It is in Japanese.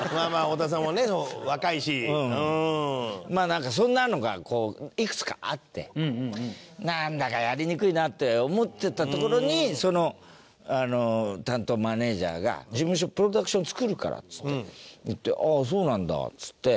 なんかそんなのがこういくつかあってなんだかやりにくいなって思ってたところにその担当マネジャーが事務所「プロダクションを作るから」っつって「ああそうなんだ」っつって。